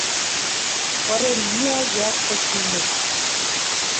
пырен миӓ йӓктӹ шӱмӹш